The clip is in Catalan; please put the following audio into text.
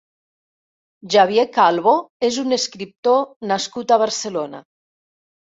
Javier Calvo és un escriptor nascut a Barcelona.